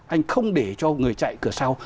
anh không để cho người chạy cửa sau